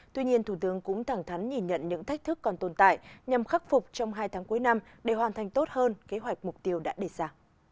tuy nhiên thủ tướng cũng thẳng thắn nhìn nhận những thách thức còn tồn tại nhằm khắc phục trong hai tháng cuối năm để hoàn thành tốt hơn kế hoạch mục tiêu đã đề ra